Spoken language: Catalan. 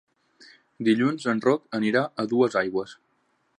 Dilluns en Roc anirà a Duesaigües.